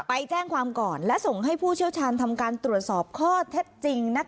ไปแจ้งความก่อนและส่งให้ผู้เชี่ยวชาญทำการตรวจสอบข้อเท็จจริง